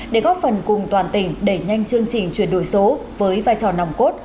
để góp phần cùng toàn tỉnh đẩy nhanh chương trình chuyển đổi số với vai trò nòng cốt